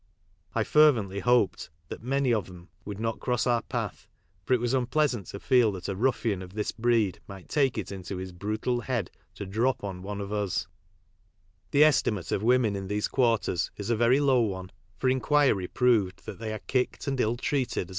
I fervently hoped that "many of 'em" would not cross our path, for it was unpleasant to feel that a ruffian of this breed might take it into his brutal head to i{ drop on" one of us. The estimate of women in these quarters is a very low one, for in quiry proved that they are kicked and ill treated as ■ fRnriXAT. MANCHESTER— DEANSGATE ! WOMEN AND THEIIl MAS oTERS.